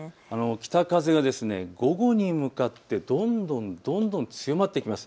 北風が午後に向かってどんどんどんどん強まってきます。